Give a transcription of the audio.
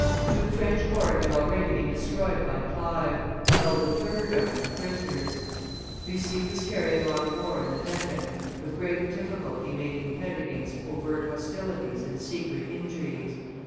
Two French corps had already been destroyed by Clive, who held the third army prisoners. Bussy was carrying on war in the Deccan, with great difficulty making head against overt hostilities and secret intrigues.